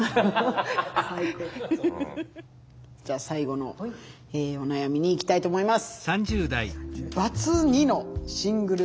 最後のお悩みにいきたいと思います。